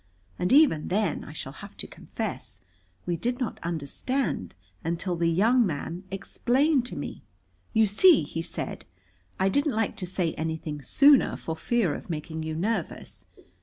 And even then, I shall have to confess, we did not understand until the young man explained to me. "You see," he said, "I didn't like to say anything sooner, for fear of making you nervous.